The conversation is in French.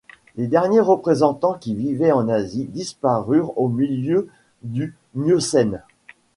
Les derniers représentants, qui vivaient en Asie, disparurent au milieu du Miocène.